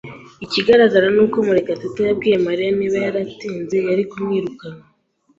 Ikigaragara ni uko Murekatete yabwiye Mariya niba yaratinze, yari kwirukanwa.